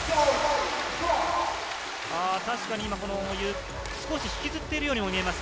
確かに今、少し引きずっているようにも見えます。